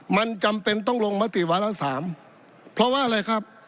มันจำเป็นต้องลงมติวาระสามเพราะว่าอะไรครับ